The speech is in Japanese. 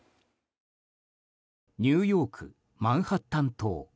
ニューヨークマンハッタン島。